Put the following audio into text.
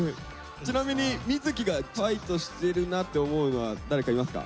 ちなみに瑞稀がファイトしてるなって思うのは誰かいますか？